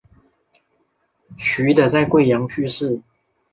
徐的在桂阳去世。